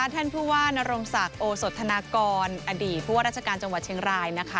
ท่านผู้ว่านรงศักดิ์โอสธนากรอดีตผู้ว่าราชการจังหวัดเชียงรายนะคะ